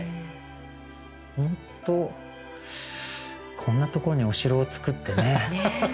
本当こんなところにお城を造ってね。